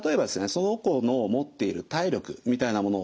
その子の持っている体力みたいなものを水として例える。